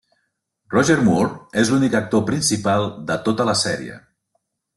Roger Moore és l'únic actor principal de tota la sèrie.